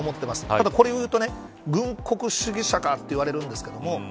ただこれを言うと軍国主義者かと言われるんですけども。